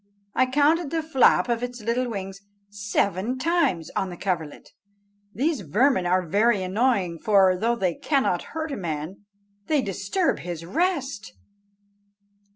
I counted the flap of its little wings seven times on the coverlet. These vermin are very annoying, for, though they cannot hurt a man, they disturb his rest!"